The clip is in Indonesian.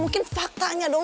mungkin faktanya dong